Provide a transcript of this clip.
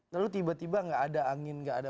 lalu tiba tiba gak ada angin gak ada